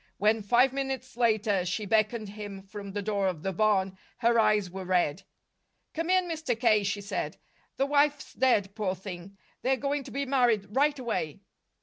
When, five minutes later, she beckoned him from the door of the barn, her eyes were red. "Come in, Mr. K.," she said. "The wife's dead, poor thing. They're going to be married right away."